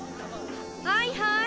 はいはい！